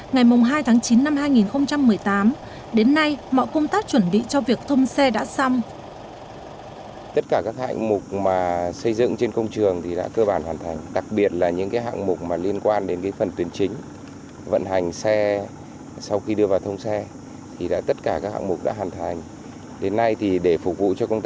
ngày hai tháng chín năm hai nghìn một mươi tám đến nay mọi công tác chuẩn bị cho việc thông xe đã xong